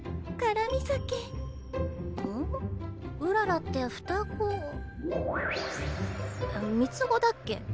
うららって双子三つ子だっけ？